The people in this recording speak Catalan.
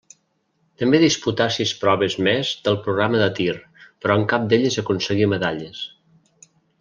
També disputà sis proves més del programa de tir, però en cap d'elles aconseguí medalles.